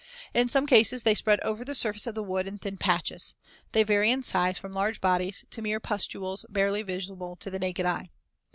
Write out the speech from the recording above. In some cases they spread over the surface of the wood in thin patches. They vary in size from large bodies to mere pustules barely visible to the naked eye.